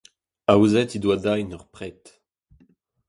Aozet he doa din ur pred.